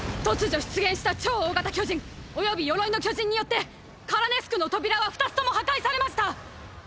突如出現した「超大型巨人」および「鎧の巨人」によってカラネス区の扉は二つとも破壊されました！！